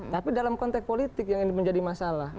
tapi dalam konteks politik yang ini menjadi masalah